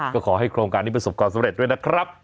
ก็ขอให้โครงการนี้ประสบความสำเร็จด้วยนะครับ